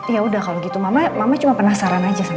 ya udah kalau gitu mama cuma penasaran aja sih